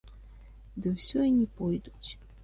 Ды ўсе і не пойдуць.